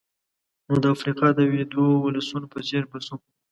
نو د افریقا د ویدو ولسونو په څېر به شو.